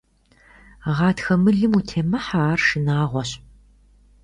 Гъатхэ мылым утемыхьэ, ар шынагъуэщ.